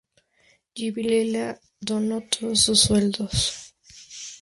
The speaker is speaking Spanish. J. Vilela", donó todos sus sueldos.